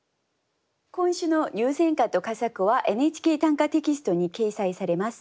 今週の入選歌と佳作は「ＮＨＫ短歌」テキストに掲載されます。